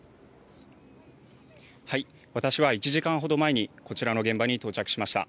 私は１時間ほど前にこちらの現場に到着しました。